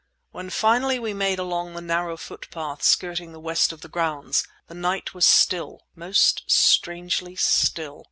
When, finally, we made along the narrow footpath skirting the west of the grounds, the night was silent—most strangely still.